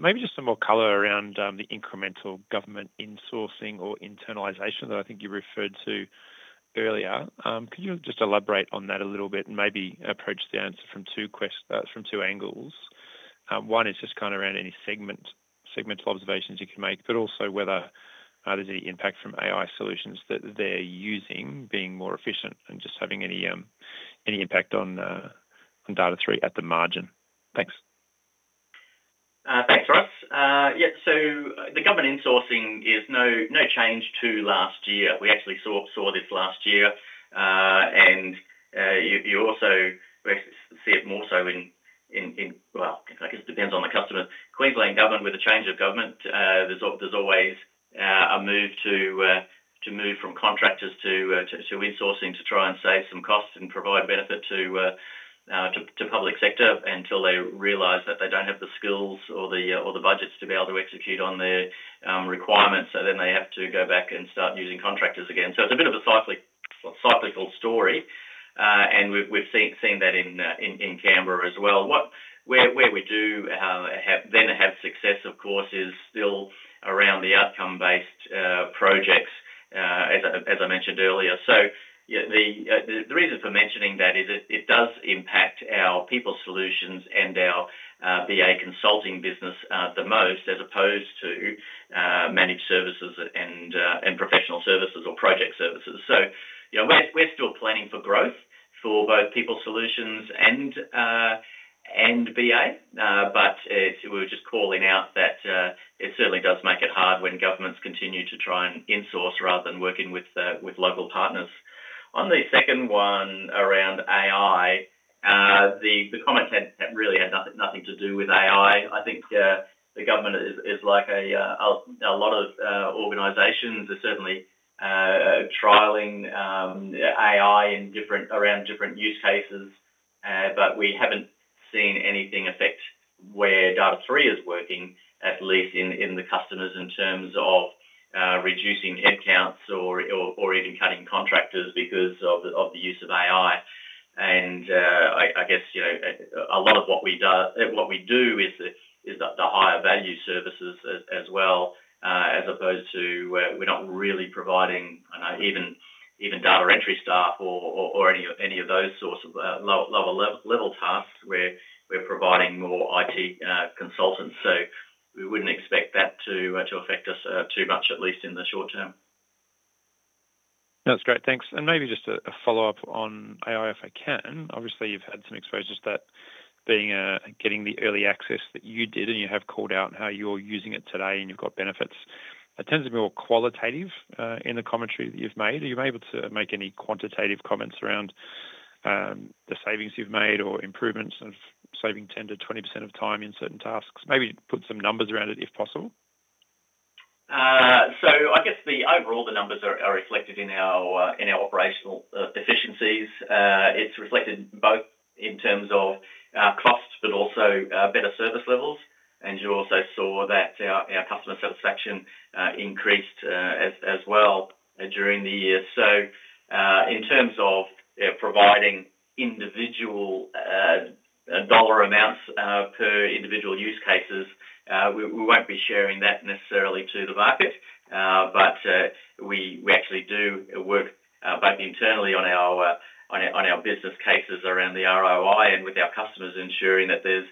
[SPEAKER 8] Maybe just some more color around the incremental government insourcing or internalization that I think you referred to earlier. Could you just elaborate on that a little bit and maybe approach the answer from two angles? One is just kind of around any segmental observations you can make, but also whether there's any impact from AI solutions that they're using being more efficient and just having any impact on Data#3 at the margin. Thanks.
[SPEAKER 1] Thanks, Ross. Yeah, the government insourcing is no change to last year. We actually saw this last year. You also see it more so in, I guess it depends on the customer. Queensland government, with the change of government, there's always a move to move from contractors to insourcing to try and save some costs and provide benefit to the public sector until they realize that they don't have the skills or the budgets to be able to execute on their requirements. They have to go back and start using contractors again. It's a bit of a cyclical story. We've seen that in Canberra as well. Where we do then have success, of course, is still around the outcome-based projects, as I mentioned earlier. The reason for mentioning that is it does impact our people solutions and our BA consulting business the most, as opposed to managed services and professional services or project services. We're still planning for growth for both people solutions and BA, but we're just calling out that it certainly does make it hard when governments continue to try and insource rather than working with local partners. On the second one around AI, the comments really had nothing to do with AI. I think the government is like a lot of organizations are certainly trialing AI around different use cases. We haven't seen anything affect where Data#3 is working, at least in the customers in terms of reducing headcounts or even cutting contractors because of the use of AI. I guess a lot of what we do is the higher value services as well, as opposed to where we're not really providing, I don't know, even data entry staff or any of those sorts of lower-level tasks. We're providing more IT consultants. We wouldn't expect that to affect us too much, at least in the short term.
[SPEAKER 8] That's great. Thanks. Maybe just a follow-up on AI, if I can. Obviously, you've had some exposure to that, getting the early access that you did, and you have called out how you're using it today and you've got benefits. It tends to be more qualitative in the commentary that you've made. Are you able to make any quantitative comments around the savings you've made or improvements of saving 10%-20% of time in certain tasks? Maybe put some numbers around it if possible.
[SPEAKER 1] Overall, the numbers are reflected in our operational efficiencies. It's reflected both in terms of costs, but also better service levels. You also saw that our customer satisfaction increased as well during the year. In terms of providing individual dollar amounts per individual use cases, we won't be sharing that necessarily to the market. We actually do work both internally on our business cases around the ROI and with our customers, ensuring that there's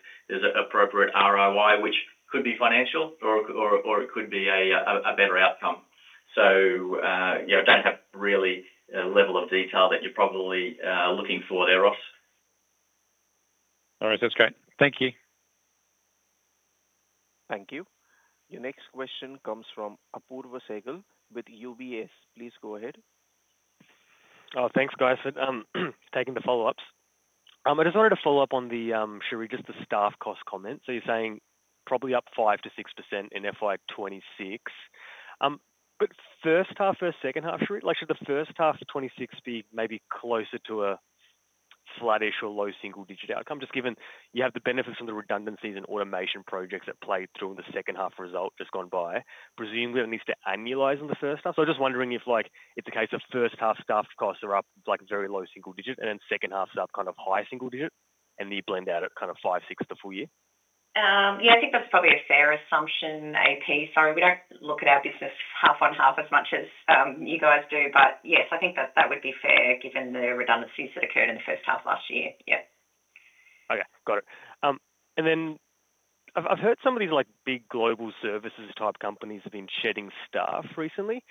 [SPEAKER 1] appropriate ROI, which could be financial or it could be a better outcome. You don't have really a level of detail that you're probably looking for there, Ross.
[SPEAKER 8] All right. That's great. Thank you.
[SPEAKER 3] Thank you. Your next question comes from Apoorv Seghal with UBS. Please go ahead.
[SPEAKER 4] Thanks, guys, for taking the follow-ups. I just wanted to follow up on the, Cherie, just the staff cost comment. You're saying probably up 5%-6% in FY2026. First half versus second half, should the first half of 2026 be maybe closer to a flattish or low single-digit outcome, just given you have the benefits and the redundancies and automation projects that played through in the second half result just gone by? Presuming that it needs to annualize in the first half. I'm just wondering if it's a case of first half staff costs are up like very low single digit and then second half is up kind of high single digit and then you blend out at kind of 5%, 6% the full year?
[SPEAKER 2] Yeah, I think that's probably a fair assumption, AP. Sorry, we don't look at our business half on half as much as you guys do. Yes, I think that would be fair given the redundancies that occurred in the first half last year.
[SPEAKER 4] OK, got it. I've heard some of these big global services type companies have been shedding staff recently.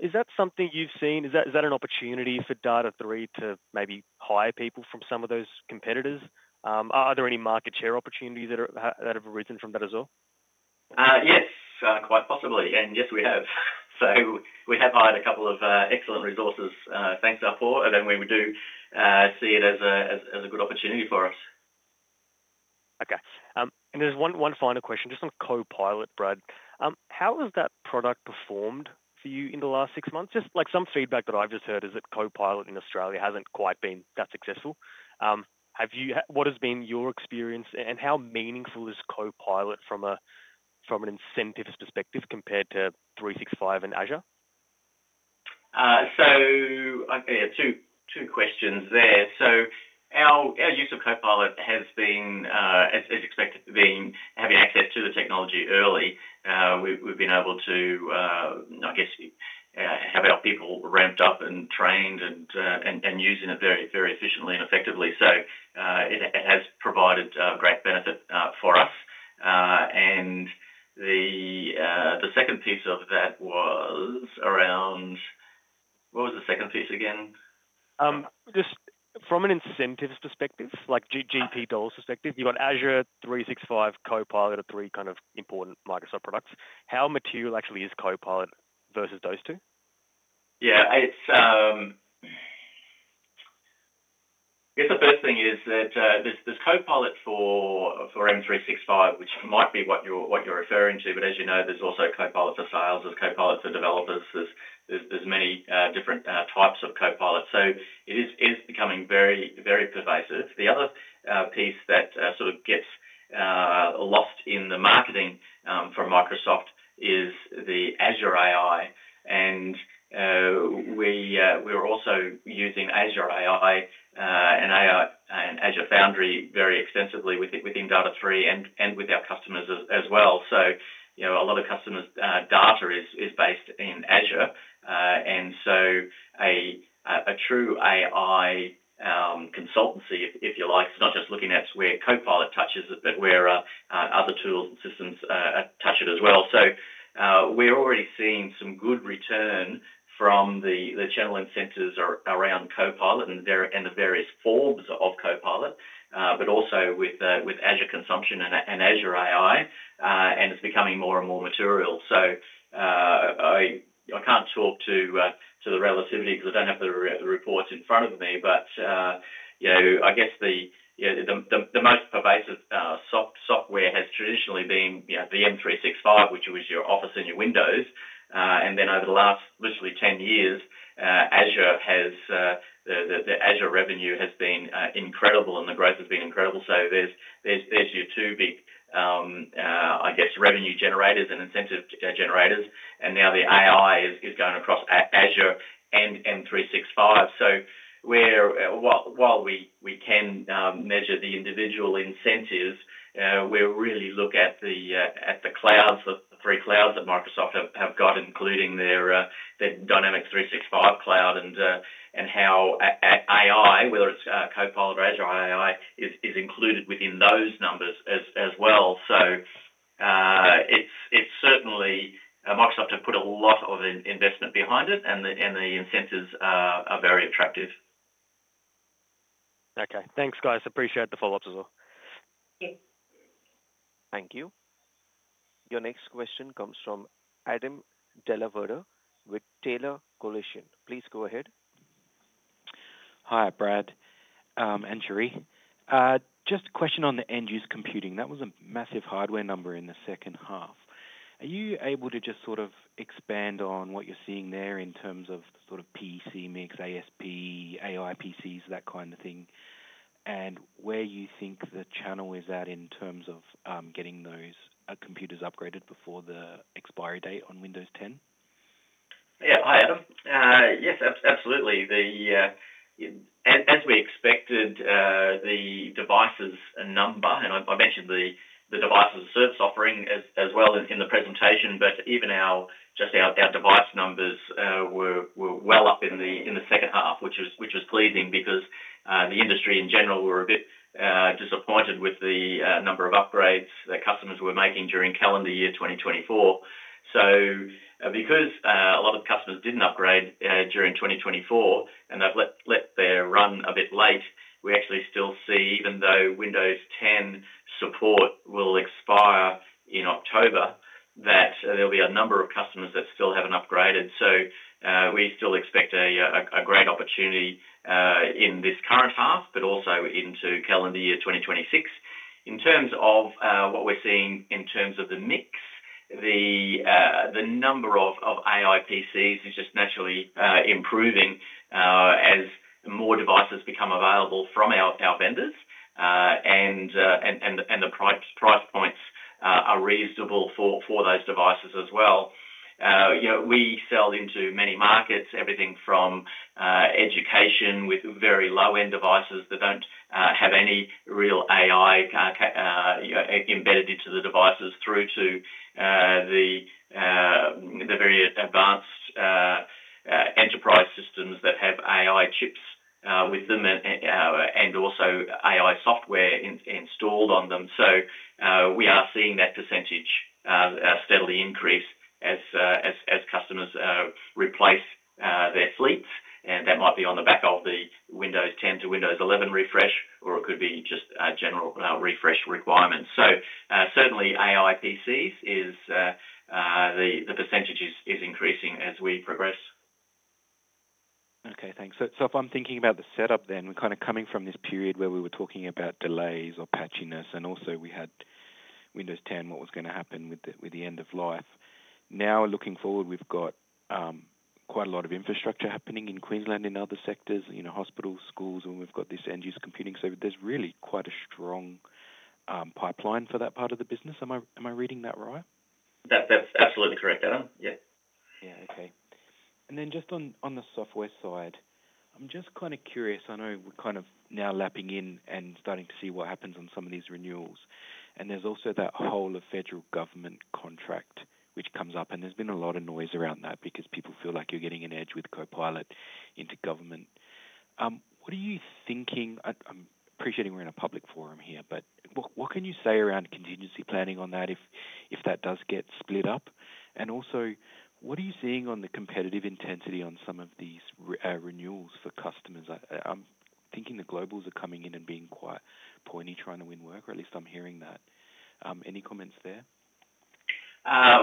[SPEAKER 4] Is that something you've seen? Is that an opportunity for Data#3 to maybe hire people from some of those competitors? Are there any market share opportunities that have arisen from that as well?
[SPEAKER 1] Yes, quite possibly. Yes, we have. We have hired a couple of excellent resources. Thanks, Apoorv. We would see it as a good opportunity for us.
[SPEAKER 4] OK. There's one final question, just on Copilot, Brad. How has that product performed for you in the last six months? Some feedback that I've heard is that Copilot in Australia hasn't quite been that successful. What has been your experience and how meaningful is Copilot from an incentives perspective compared to 365 and Azure?
[SPEAKER 1] Our use of Copilot has been, as expected, having access to the technology early. We've been able to have our people ramped up and trained and using it very efficiently and effectively. It has provided great benefit for us. The second piece of that was around, what was the second piece again?
[SPEAKER 4] Just from an incentives perspective, like GP dollars perspective, you've got Azure, 365, Copilot, and three kind of important Microsoft products. How material actually is Copilot versus those two?
[SPEAKER 1] Yeah, I guess the first thing is that there's Copilot for M365, which might be what you're referring to. As you know, there's also Copilot for sales, there's Copilot for developers, there's many different types of Copilot. It is becoming very pervasive. The other piece that sort of gets lost in the marketing from Microsoft is the Azure AI. We are also using Azure AI and Azure Foundry very extensively within Data#3 and with our customers as well. A lot of customers' data is based in Azure. A true AI consultancy, if you like, it's not just looking at where Copilot touches it, but where other tools and systems touch it as well. We're already seeing some good return from the channel incentives around Copilot and the various forms of Copilot, but also with Azure consumption and Azure AI. It's becoming more and more material. I can't talk to the relativity because I don't have the reports in front of me. I guess the most pervasive software has traditionally been the M365, which was your Office and your Windows. Over the last literally 10 years, Azure revenue has been incredible and the growth has been incredible. There's your two big, I guess, revenue generators and incentive generators. Now the AI is going across Azure and M365. While we can measure the individual incentives, we really look at the clouds, the three clouds that Microsoft have got, including their Dynamics 365 cloud and how AI, whether it's Copilot or Azure AI, is included within those numbers as well. Microsoft has put a lot of investment behind it, and the incentives are very attractive.
[SPEAKER 4] OK, thanks, guys. Appreciate the follow-ups as well.
[SPEAKER 2] Thank you.
[SPEAKER 3] Thank you. Your next question comes from Adam Dellaverde with Taylor Collision. Please go ahead.
[SPEAKER 9] Hi, Brad and Cherie. Just a question on the end-user computing. That was a massive hardware number in the second half. Are you able to just sort of expand on what you're seeing there in terms of sort of PC mix, ASP, AI PCs, that kind of thing? Where do you think the channel is at in terms of getting those computers upgraded before the expiry date on Windows 10?
[SPEAKER 1] Yeah, hi, Adam. Yes, hi, Adam. Yes, absolutely. As we expected, the devices number, and I mentioned the device as a service offering as well in the presentation, but even just our device numbers were well up in the second half, which was pleasing because the industry in general was a bit disappointed with the number of upgrades that customers were making during calendar year 2024. Because a lot of customers didn't upgrade during 2024 and they've let their run a bit late, we actually still see, even though Windows 10 support will expire in October, that there'll be a number of customers that still haven't upgraded. We still expect a great opportunity in this current half, but also into calendar year 2026. In terms of what we're seeing in terms of the mix, the number of AI PCs is just naturally improving as more devices become available from our vendors, and the price points are reasonable for those devices as well. We sell into many markets, everything from education with very low-end devices that don't have any real AI embedded into the devices through to the very advanced enterprise systems that have AI chips with them and also AI software installed on them. We are seeing that percentage steadily increase as customers replace their fleets, and that might be on the back of the Windows 10 to Windows 11 refresh, or it could be just general refresh requirements. Certainly, AI PCs, the percentage is increasing as we progress.
[SPEAKER 9] OK, thanks. If I'm thinking about the setup then, kind of coming from this period where we were talking about delays or patchiness and also we had Windows 10, what was going to happen with the end of life. Now looking forward, we've got quite a lot of infrastructure happening in Queensland and other sectors, hospitals, schools, and we've got this end-user computing. There's really quite a strong pipeline for that part of the business. Am I reading that right?
[SPEAKER 1] That's absolutely correct, Adam. Yeah.
[SPEAKER 9] OK. On the software side, I'm just kind of curious. I know we're kind of now lapping in and starting to see what happens on some of these renewals. There's also that whole federal government contract which comes up. There's been a lot of noise around that because people feel like you're getting an edge with Copilot into government. What are you thinking? I'm appreciating we're in a public forum here, but what can you say around contingency planning on that if that does get split up? Also, what are you seeing on the competitive intensity on some of these renewals for customers? I'm thinking the globals are coming in and being quite pointy trying to win work, or at least I'm hearing that. Any comments there?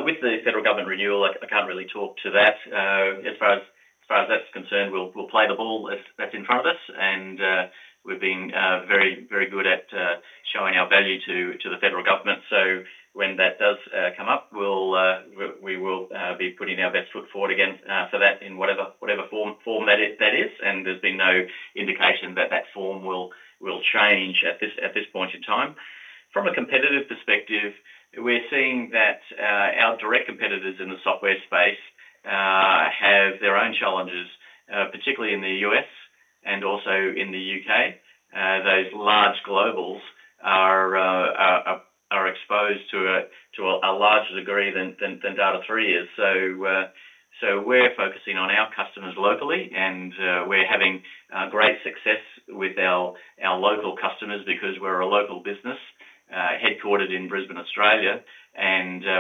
[SPEAKER 1] With the federal government renewal, I can't really talk to that. As far as that's concerned, we'll play the ball that's in front of us. We've been very, very good at showing our value to the federal government. When that does come up, we will be putting our best foot forward again for that in whatever form that is. There's been no indication that that form will change at this point in time. From a competitive perspective, we're seeing that our direct competitors in the software space have their own challenges, particularly in the U.S. and also in the U.K. Those large globals are exposed to a larger degree than Data#3 is. We're focusing on our customers locally, and we're having great success with our local customers because we're a local business headquartered in Brisbane, Australia.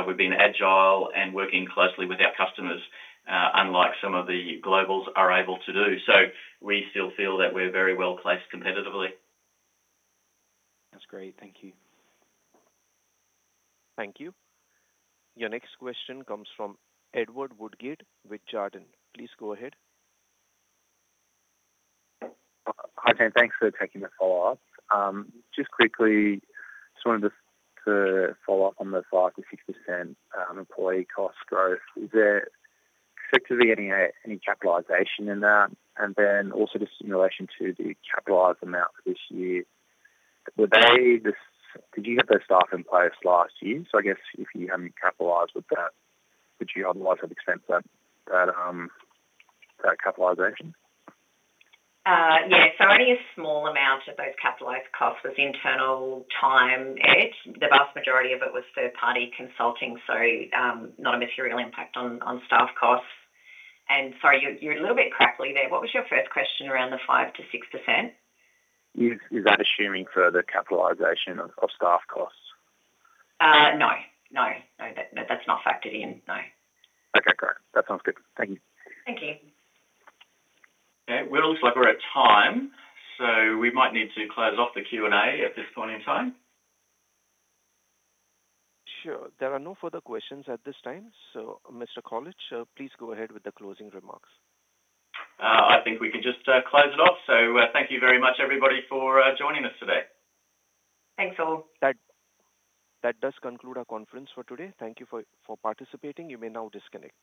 [SPEAKER 1] We've been agile and working closely with our customers, unlike some of the globals are able to do. We still feel that we're very well placed competitively.
[SPEAKER 9] That's great. Thank you.
[SPEAKER 3] Thank you. Your next question comes from Edward Woodgate with Jarden. Please go ahead.
[SPEAKER 5] Hi, Tim. Thanks for taking the follow-up. Just quickly, I just wanted to follow up on the 5% employee cost growth. Is there effectively any capitalization in that? Also, just in relation to the capitalized amount for this year, did you get those staff in place last year? I guess if you haven't capitalized with that, would you otherwise have expected that capitalization?
[SPEAKER 2] Yeah, only a small amount of those capitalized costs was internal time. The vast majority of it was third-party consulting, so not a material impact on staff costs. Sorry, you're a little bit crackling there. What was your first question around the 5%-6%?
[SPEAKER 5] Is that assuming further capitalization of staff costs?
[SPEAKER 2] No, that's not factored in, no.
[SPEAKER 5] OK, great. That sounds good. Thank you.
[SPEAKER 2] Thank you.
[SPEAKER 1] It looks like we're at time, so we might need to close off the Q&A at this point in time.
[SPEAKER 3] Sure. There are no further questions at this time. Mr. Colledge, please go ahead with the closing remarks.
[SPEAKER 1] I think we could just close it off. Thank you very much, everybody, for joining us today.
[SPEAKER 2] Thanks, all.
[SPEAKER 3] That does conclude our conference for today. Thank you for participating. You may now disconnect.